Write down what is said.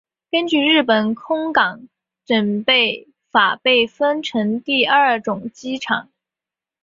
根据日本空港整备法被分成第二种机场。